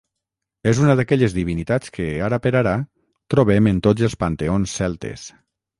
És una d'aquelles divinitats que, ara per ara, trobem en tots els panteons celtes.